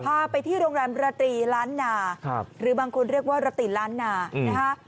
พาไปที่โรงแรมราตรีร้านนาครับหรือบางคนเรียกว่าราตรีร้านนาอืม